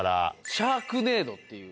シャークネードっていう。